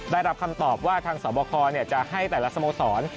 ได้รับคำตอบว่าทางสวบคจะให้แต่ละสโมสร